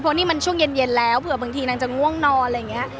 เพราะนี่มันช่วงเย็นแล้วเผื่อบางทีนางจะง่วงนอนอะไรอย่างนี้